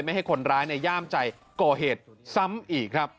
ไม่ให้คนร้ายในย่ามใจก่อเหตุซ้ำอีกครับ